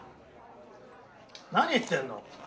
何言ってんの？